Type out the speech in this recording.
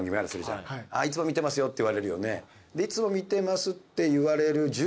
いつも見てますよって言われるよね。